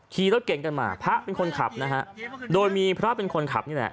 ขี่รถเก่งกันมาพระเป็นคนขับนะฮะโดยมีพระเป็นคนขับนี่แหละ